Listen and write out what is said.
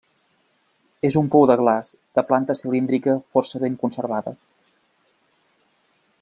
És un pou de glaç de planta cilíndrica força ben conservada.